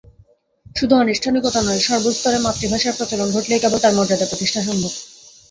শুধু আনুষ্ঠানিকতা নয়, সর্বস্তরে মাতৃভাষার প্রচলন ঘটলেই কেবল তার মর্যাদা প্রতিষ্ঠা সম্ভব।